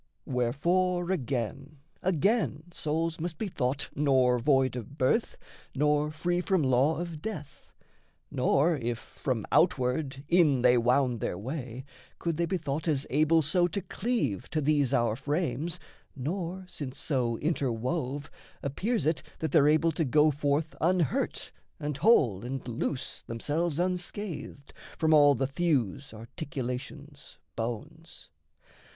Wherefore, again, again, souls must be thought Nor void of birth, nor free from law of death; Nor, if, from outward, in they wound their way, Could they be thought as able so to cleave To these our frames, nor, since so interwove, Appears it that they're able to go forth Unhurt and whole and loose themselves unscathed From all the thews, articulations, bones.